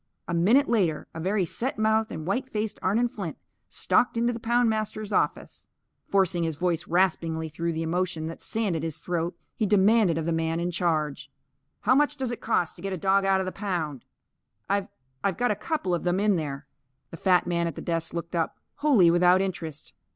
A minute later, a very set mouthed and white faced Arnon Flint stalked into the poundmaster's office. Forcing his voice raspingly through the emotion that sanded his throat, he demanded of the man in charge: "How much does it cost to get a dog out of the pound? I've I've got a couple of them in there." The fat man at the desk looked up, wholly without interest.